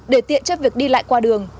để tiện cho việc đi lại qua đường